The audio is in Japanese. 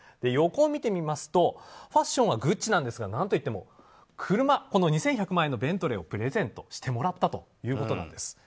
横を見てみますとファッションはグッチなんですが何といっても車は２１００万円のベントレーをプレゼントしてもらったということです。